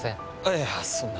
いやそんな。